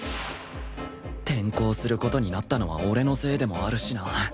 転校する事になったのは俺のせいでもあるしな